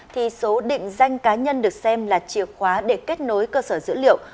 thì số định danh cá nhân được xem là chìa khóa để kết nối cơ sở dữ liệu